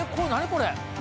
これ。